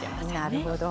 なるほど。